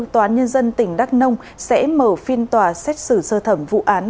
tòa án nhân dân tỉnh đắk nông sẽ mở phiên tòa xét xử sơ thẩm vụ án